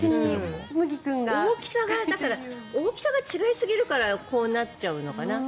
一方的に麦君が。大きさが違いすぎるからこうなっちゃうのかな？